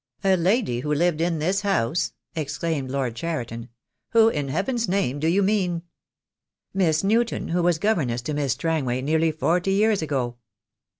"A lady who lived in this house!" exclaimed Lord Cheriton. "Who in Heaven's name do you mean?" "Miss Newton, who was governess to Miss Strangway nearly forty years ago."